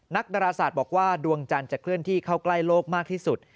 ดาราศาสตร์บอกว่าดวงจันทร์จะเคลื่อนที่เข้าใกล้โลกมากที่สุด